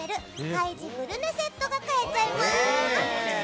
海自グルメセットが買えちゃいます！